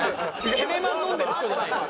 エメマン飲んでる人じゃない。